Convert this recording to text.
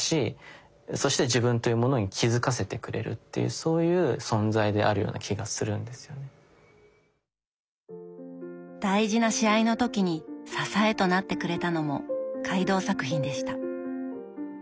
そういう意味で大事な試合の時に支えとなってくれたのも海堂作品でした。